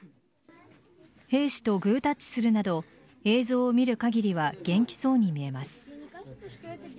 兵士とグータッチするなど映像を見る限りは元気そうに見えます。